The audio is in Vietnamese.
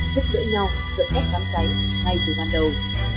giúp đỡ nhau dẫn đất đám cháy ngay từ ban đầu